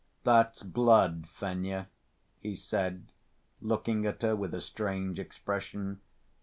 "That's blood, Fenya," he said, looking at her with a strange expression.